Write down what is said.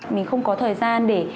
mình không có thời gian để